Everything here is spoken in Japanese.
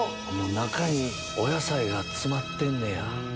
中にお野菜が詰まってんねや。